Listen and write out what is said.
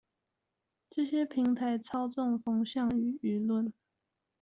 這些平台操縱風向與輿論